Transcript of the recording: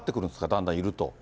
だんだん、いると。